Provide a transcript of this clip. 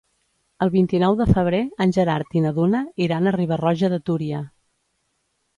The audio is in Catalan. El vint-i-nou de febrer en Gerard i na Duna iran a Riba-roja de Túria.